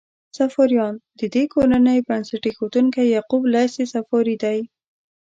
صفاریان: د دې کورنۍ بنسټ ایښودونکی یعقوب لیث صفاري دی.